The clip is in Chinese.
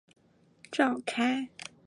召开一般程序审查会议